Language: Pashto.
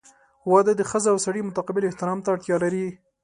• واده د ښځې او سړي متقابل احترام ته اړتیا لري.